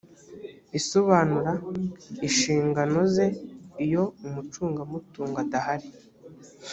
isobanura inshingano ze iyo umucungamutungo adahari